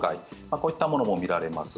こういったものも見られます。